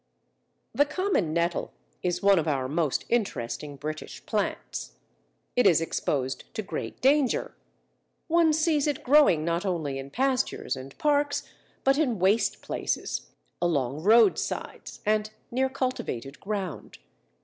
The common nettle is one of our most interesting British plants. It is exposed to great danger; one sees it growing not only in pastures and parks, but in waste places, along roadsides, and near cultivated ground.